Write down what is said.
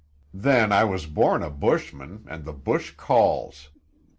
Then I was born a bushman and the bush calls.